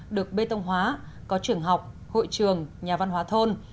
được bê tông hóa có trường học hội trường nhà văn hóa thôn